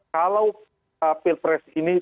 kalau pilpres ini